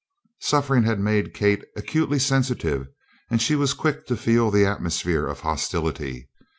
Suffering had made Kate acutely sensitive and she was quick to feel the atmosphere of hostility.